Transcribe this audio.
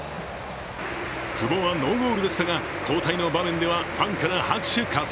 久保はノーゴールでしたが、交代の場面ではファンから拍手喝采。